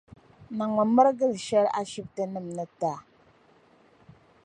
Niŋmi mirigi'shɛli ashibitinim ni ti a.